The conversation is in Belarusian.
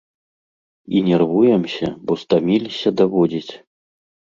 І нервуемся, бо стаміліся даводзіць!